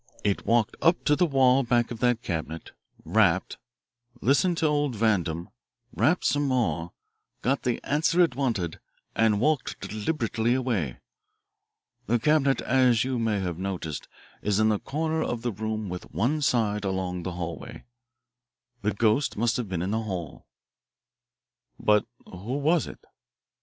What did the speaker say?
It walked up to the wall back of that cabinet, rapped, listened to old Vandam, rapped some more, got the answer it wanted, and walked deliberately away. The cabinet, as you may have noticed, is in a corner of the room with one side along the hallway. The ghost must have been in the hall." "But who was it?"